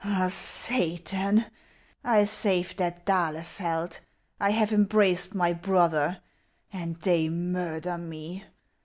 " Satan ! I saved that d'Ahlefeld ; I have embraced my brother, — and they murder me